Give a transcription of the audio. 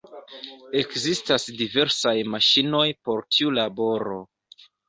Ekzistas diversaj maŝinoj por tiu laboro.